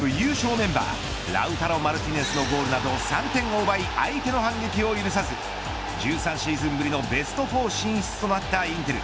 メンバーラウタロ・マルティネスのゴールなど３点を奪い相手の反撃を許さず１３シーズンぶりのベスト４進出となったインテル。